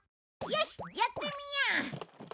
よしやってみよう。